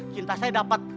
cinta saya dapat